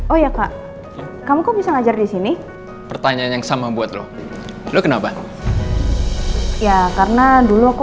oh ya kak kamu kok bisa ngajar di sini pertanyaan yang sama buat lo lo kenapa ya karena dulu aku